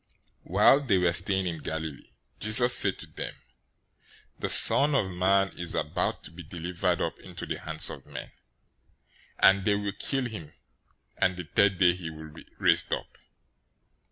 017:022 While they were staying in Galilee, Jesus said to them, "The Son of Man is about to be delivered up into the hands of men, 017:023 and they will kill him, and the third day he will be raised up."